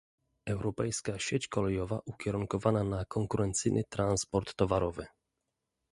Europejska sieć kolejowa ukierunkowana na konkurencyjny transport towarowy